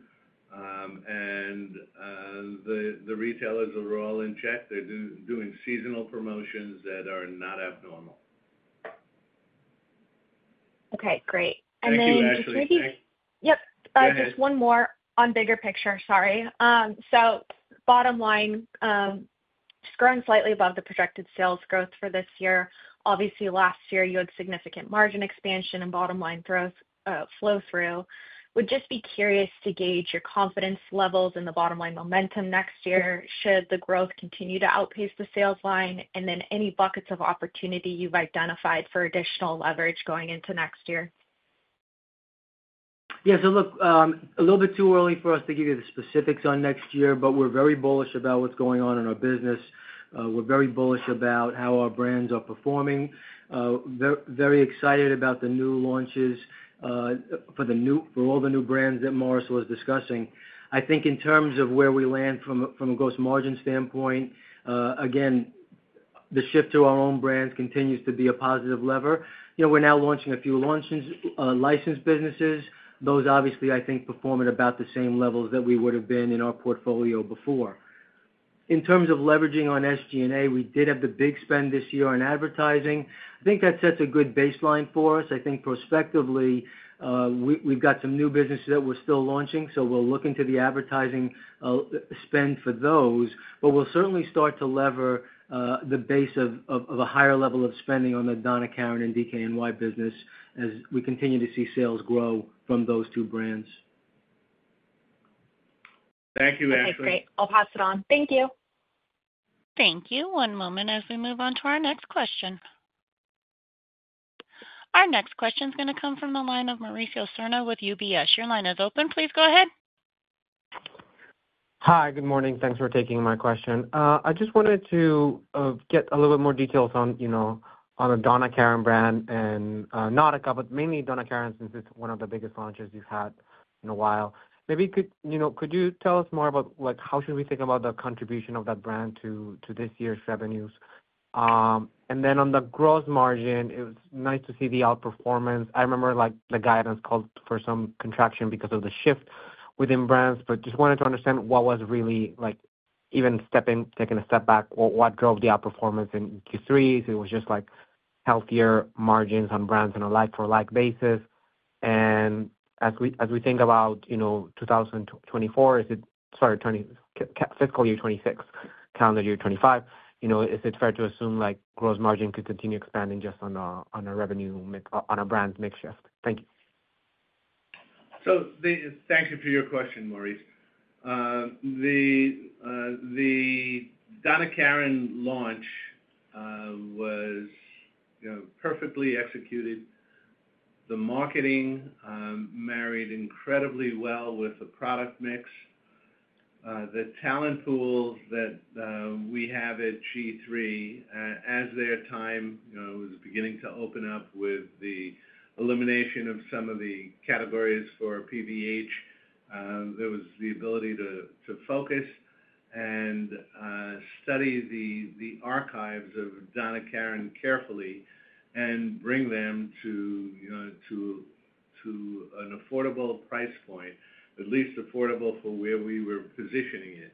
And the retailers are all in check. They're doing seasonal promotions that are not abnormal. Okay. Great. And then maybe. Thank you, Ashley. Yep. Just one more on bigger picture. Sorry. Bottom line, just growing slightly above the projected sales growth for this year. Obviously, last year, you had significant margin expansion and bottom-line flow-through. Would just be curious to gauge your confidence levels in the bottom-line momentum next year should the growth continue to outpace the sales line and then any buckets of opportunity you've identified for additional leverage going into next year. Yeah. So look, a little bit too early for us to give you the specifics on next year, but we're very bullish about what's going on in our business. We're very bullish about how our brands are performing. Very excited about the new launches for all the new brands that Morris was discussing. I think in terms of where we land from a gross margin standpoint, again, the shift to our own brands continues to be a positive lever. We're now launching a few licensed businesses. Those, obviously, I think, perform at about the same levels that we would have been in our portfolio before. In terms of leveraging on SG&A, we did have the big spend this year on advertising. I think that sets a good baseline for us. I think prospectively, we've got some new businesses that we're still launching. So we'll look into the advertising spend for those. But we'll certainly start to lever the base of a higher level of spending on the Donna Karan and DKNY business as we continue to see sales grow from those two brands. Thank you, Ashley. Okay. Great. I'll pass it on. Thank you. Thank you. One moment as we move on to our next question. Our next question is going to come from the line of Mauricio Serna with UBS. Your line is open. Please go ahead. Hi. Good morning. Thanks for taking my question. I just wanted to get a little bit more details on the Donna Karan brand and Nautica, but mainly Donna Karan since it's one of the biggest launches you've had in a while. Maybe could you tell us more about how should we think about the contribution of that brand to this year's revenues? And then on the gross margin, it was nice to see the outperformance. I remember the guidance called for some contraction because of the shift within brands, but just wanted to understand what was really even taking a step back, what drove the outperformance in Q3. So it was just healthier margins on brands on a like-for-like basis. And as we think about 2024, sorry, fiscal year 2026, calendar year 2025, is it fair to assume gross margin could continue expanding just on a revenue and a brand mix shift? Thank you. So thank you for your question, Mauricio. The Donna Karan launch was perfectly executed. The marketing married incredibly well with the product mix. The talent pools that we have at G-III, as their time was beginning to open up with the elimination of some of the categories for PVH, there was the ability to focus and study the archives of Donna Karan carefully and bring them to an affordable price point, at least affordable for where we were positioning it.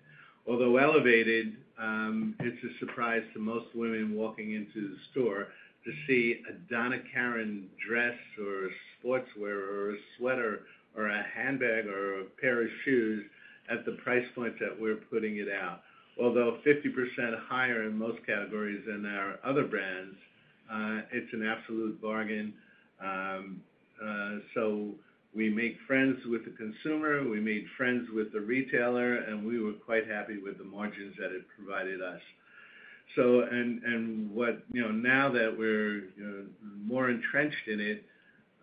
Although elevated, it's a surprise to most women walking into the store to see a Donna Karan dress or a sportswear or a sweater or a handbag or a pair of shoes at the price point that we're putting it out. Although 50% higher in most categories than our other brands, it's an absolute bargain. So we made friends with the consumer. We made friends with the retailer. And we were quite happy with the margins that it provided us. And now that we're more entrenched in it,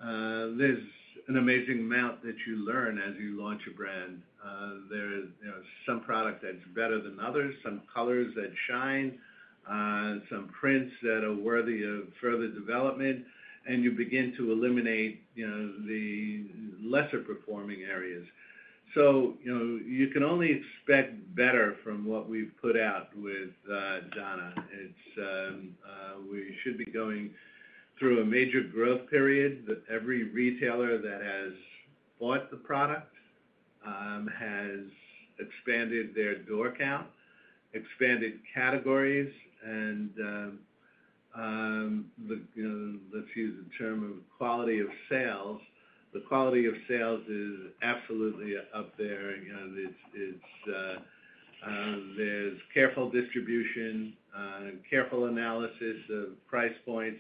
there's an amazing amount that you learn as you launch a brand. There's some product that's better than others, some colors that shine, some prints that are worthy of further development, and you begin to eliminate the lesser-performing areas. So you can only expect better from what we've put out with Donna. We should be going through a major growth period. Every retailer that has bought the product has expanded their door count, expanded categories, and let's use the term of quality of sales. The quality of sales is absolutely up there. There's careful distribution, careful analysis of price points,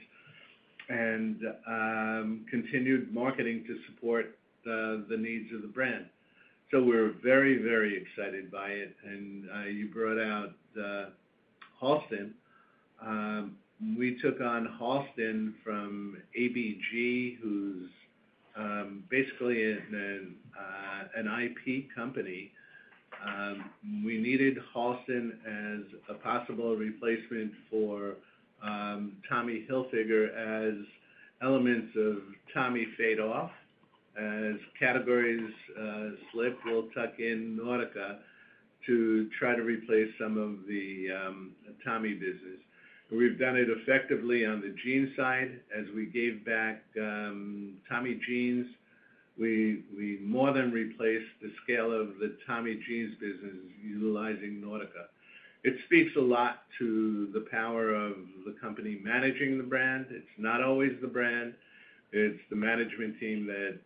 and continued marketing to support the needs of the brand. So we're very, very excited by it. And you brought out Halston. We took on Halston from ABG, who's basically an IP company. We needed Halston as a possible replacement for Tommy Hilfiger as elements of Tommy fade off as categories slip. We'll tuck in Nautica to try to replace some of the Tommy business. We've done it effectively on the jean side. As we gave back Tommy Jeans, we more than replaced the scale of the Tommy Jeans business utilizing Nautica. It speaks a lot to the power of the company managing the brand. It's not always the brand. It's the management team that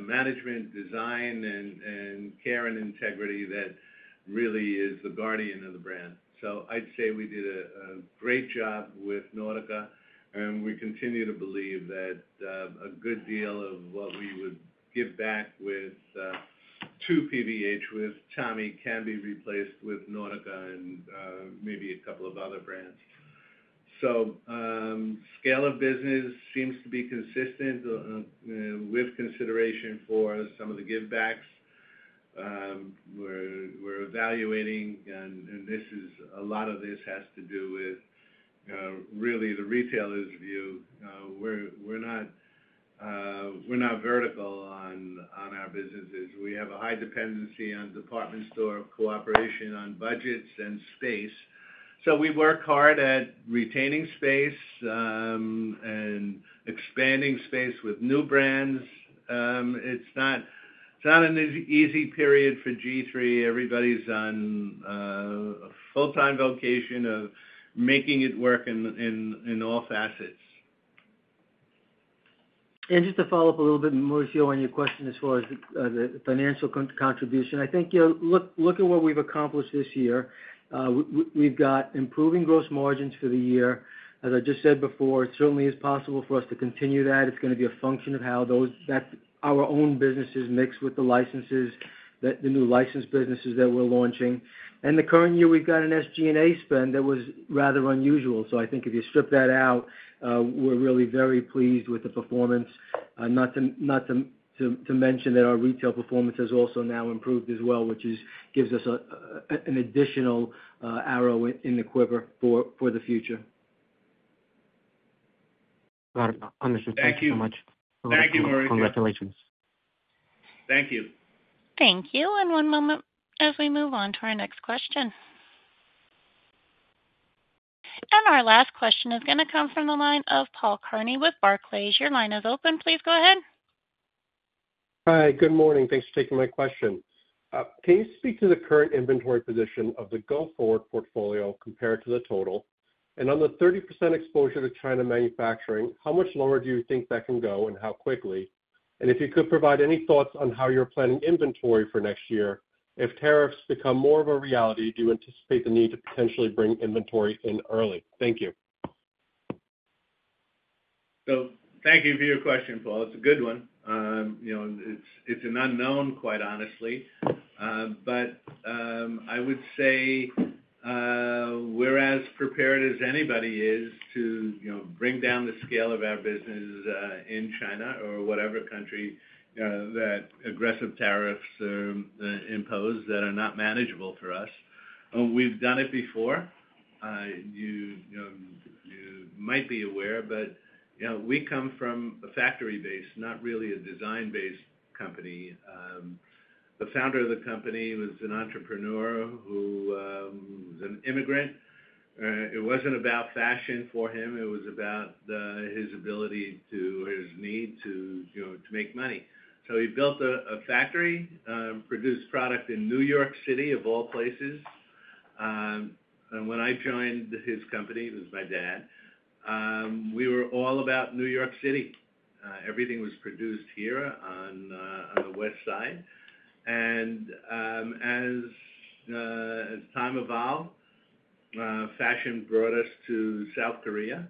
management, design, and care and integrity that really is the guardian of the brand. So I'd say we did a great job with Nautica. We continue to believe that a good deal of what we would give back to PVH with Tommy can be replaced with Nautica and maybe a couple of other brands. So scale of business seems to be consistent with consideration for some of the give-backs. We're evaluating, and a lot of this has to do with really the retailer's view. We're not vertical on our businesses. We have a high dependency on department store cooperation on budgets and space. So we work hard at retaining space and expanding space with new brands. It's not an easy period for G-III. Everybody's on a full-time devotion of making it work in all facets. And just to follow-up a little bit, Mauricio, on your question as far as the financial contribution, I think look at what we've accomplished this year. We've got improving gross margins for the year. As I just said before, it certainly is possible for us to continue that. It's going to be a function of how our own businesses mix with the licenses, the new license businesses that we're launching. And the current year, we've got an SG&A spend that was rather unusual, so I think if you strip that out. We're really very pleased with the performance. Not to mention that our retail performance has also now improved as well, which gives us an additional arrow in the quiver for the future. Got it. Understood. Thank you so much. Thank you, Mauricio. Congratulations. Thank you. Thank you, and one moment as we move on to our next question, and our last question is going to come from the line of Paul Kearney with Barclays. Your line is open. Please go ahead. Hi. Good morning. Thanks for taking my question. Can you speak to the current inventory position of the G-III portfolio compared to the total? And on the 30% exposure to China manufacturing, how much lower do you think that can go and how quickly? And if you could provide any thoughts on how you're planning inventory for next year. If tariffs become more of a reality, do you anticipate the need to potentially bring inventory in early? Thank you. So thank you for your question, Paul. It's a good one. It's an unknown, quite honestly. But I would say we're as prepared as anybody is to bring down the scale of our business in China or whatever country that aggressive tariffs impose that are not manageable for us. We've done it before. You might be aware, but we come from a factory-based, not really a design-based company. The founder of the company was an entrepreneur who was an immigrant. It wasn't about fashion for him. It was about his ability or his need to make money. So he built a factory, produced product in New York City of all places. And when I joined his company, it was my dad. We were all about New York City. Everything was produced here on the West Side. And as time evolved, fashion brought us to South Korea.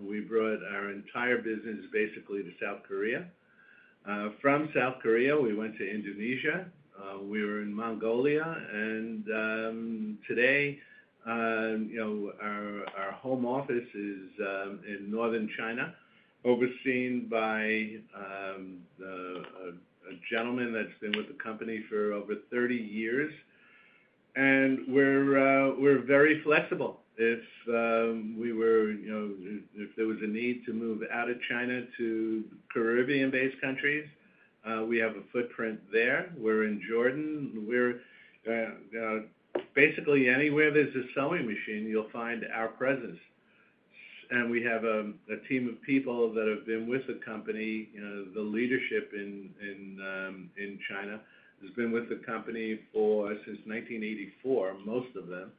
We brought our entire business basically to South Korea. From South Korea, we went to Indonesia. We were in Mongolia. And today, our home office is in Northern China, overseen by a gentleman that's been with the company for over 30 years. And we're very flexible. If there was a need to move out of China to Caribbean-based countries, we have a footprint there. We're in Jordan. Basically, anywhere there's a sewing machine, you'll find our presence. And we have a team of people that have been with the company. The leadership in China has been with the company since 1984, most of them.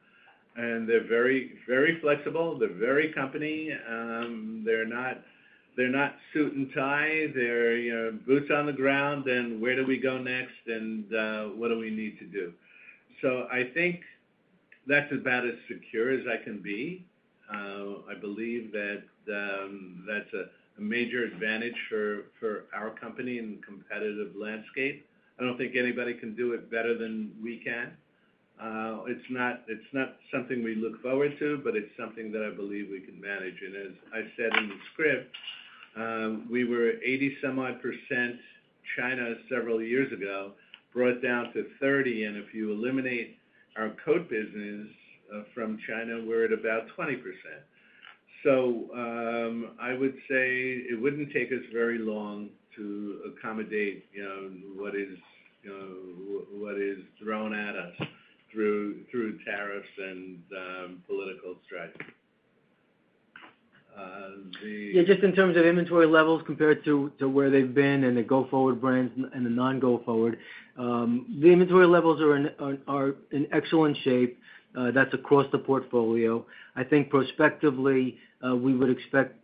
They're very flexible. They're very company. They're not suit and tie. They're boots on the ground. Where do we go next? What do we need to do? I think that's about as secure as I can be. I believe that that's a major advantage for our company in the competitive landscape. I don't think anybody can do it better than we can. It's not something we look forward to, but it's something that I believe we can manage. As I said in the script, we were 80-some-odd percent China several years ago, brought down to 30%. If you eliminate our coat business from China, we're at about 20%. I would say it wouldn't take us very long to accommodate what is thrown at us through tariffs and political strife. Yeah. Just in terms of inventory levels compared to where they've been and the go-forward brands and the non-go-forward, the inventory levels are in excellent shape. That's across the portfolio. I think prospectively, we would expect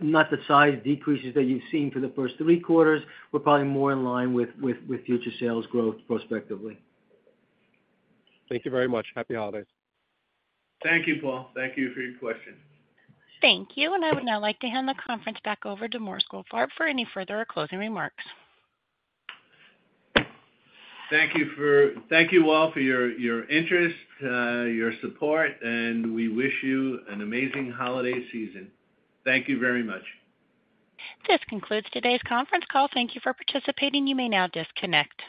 not the size decreases that you've seen for the first three quarters. We're probably more in line with future sales growth prospectively. Thank you very much. Happy holidays. Thank you, Paul. Thank you for your question. Thank you. And I would now like to hand the conference back over to Morris Goldfarb for any further closing remarks. Thank you all for your interest, your support, and we wish you an amazing holiday season. Thank you very much. This concludes today's conference call. Thank you for participating. You may now disconnect.